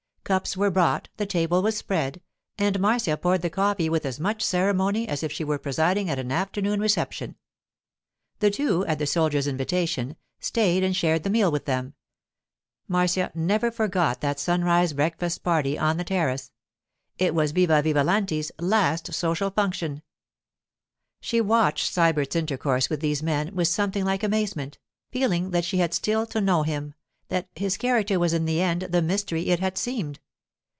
Cups were brought, the table was spread, and Marcia poured the coffee with as much ceremony as if she were presiding at an afternoon reception. The two, at the soldiers' invitation, stayed and shared the meal with them. Marcia never forgot that sunrise breakfast party on the terrace—it was Villa Vivalanti's last social function. She watched Sybert's intercourse with these men with something like amazement, feeling that she had still to know him, that, his character was in the end the mystery it had seemed.